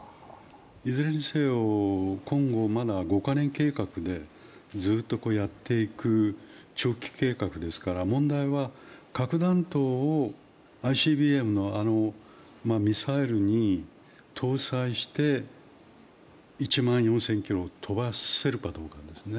いずれにせよ、今後、まだ５か年計画でずっとやっていく長期計画ですから、問題は核弾頭をＩＣＢＭのミサイルに搭載して１万４０００ｋｍ飛ばせるかどうかですね。